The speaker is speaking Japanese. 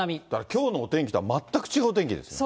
きょうのお天気とは全く違うお天気ですね。